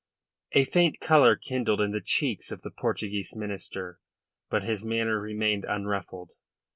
A faint colour kindled in the cheeks of the Portuguese minister, but his manner remained unruffled.